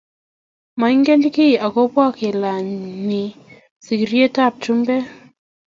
manget kiiy agoba kelany sigiryetab chumbek